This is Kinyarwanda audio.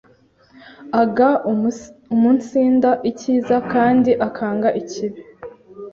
agaumunsinda icyiza, kandi akanga ikibi;